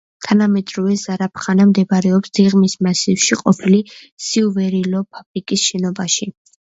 თანამედროვე ზარაფხანა მდებარეობს დიღმის მასივში, ყოფილი საიუველირო ფაბრიკის შენობაში.